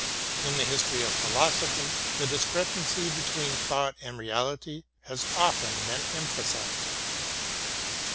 In the history of philosophy, the discrepancy be tween thought and reality has often been emphasized.